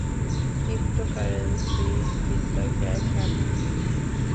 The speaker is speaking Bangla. ক্রিপ্টোকারেন্সি কিংবা ক্যাশ অ্যাপ দিয়ে।